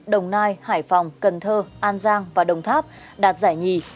đồng nai hải phòng cần thơ an giang và đồng tháp đạt giải nhì